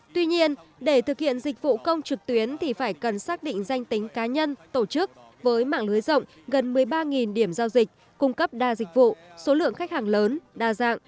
tuy nhiên để thực hiện dịch vụ công trực tuyến thì phải cần xác định danh tính cá nhân tổ chức với mạng lưới rộng gần một mươi ba điểm giao dịch cung cấp đa dịch vụ số lượng khách hàng lớn đa dạng